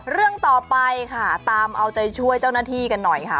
เรื่องต่อไปค่ะตามเอาใจช่วยเจ้าหน้าที่กันหน่อยค่ะ